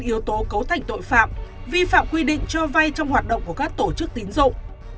yếu tố cấu thành tội phạm vi phạm quy định cho vay trong hoạt động của các tổ chức tín dụng